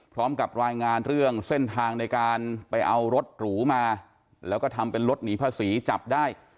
พร้อมกับรายงานเรื่องเส้นทางในการไปเอารถหรูมาแล้วก็ทำเป็นรถหนีภาษีจับได้